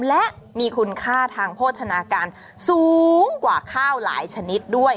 และมีคุณค่าทางโภชนาการสูงกว่าข้าวหลายชนิดด้วย